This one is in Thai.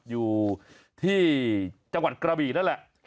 อยู่ที่จังหวัดกระบีนั่นแหละ